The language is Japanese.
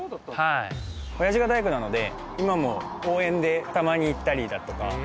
おやじが大工なので、今も応援でたまに行ったりだとか。